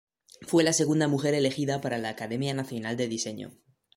Fue la segunda mujer elegida para la Academia Nacional de Diseño.